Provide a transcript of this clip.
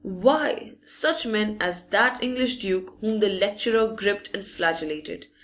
Why, such men as that English duke whom the lecturer gripped and flagellated.